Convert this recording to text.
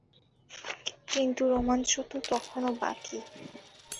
কিন্তু রোমাঞ্চ তো তখনো বাকি।